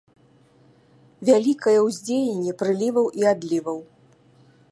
Вялікае ўздзеянне прыліваў і адліваў.